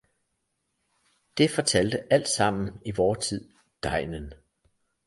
Det fortalte alt sammen i vor tid degnen.